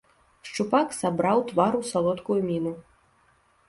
Шчупак сабраў твар у салодкую міну.